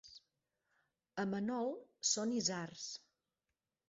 A Manol són isards.